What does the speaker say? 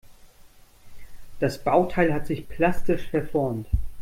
Das Bauteil hat sich plastisch verformt.